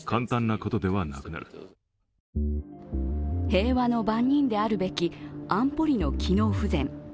平和の番人であるべき安保理の機能不全。